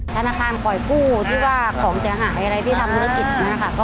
ธนาคารปล่อยพู่ที่ว่าของเสียหายอะไรที่ทำธนาคิตนะครับ